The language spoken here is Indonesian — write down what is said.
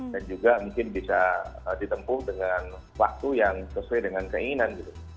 dan juga mungkin bisa ditempuh dengan waktu yang sesuai dengan keinginan